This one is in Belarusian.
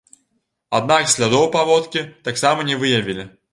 Аднак слядоў паводкі таксама не выявілі.